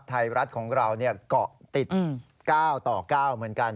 ไทยรัฐของเราเกาะติด๙ต่อ๙เหมือนกัน